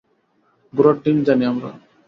ঘোড়ার ডিম জানি আমরা।